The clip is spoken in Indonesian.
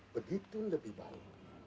begitu lebih baik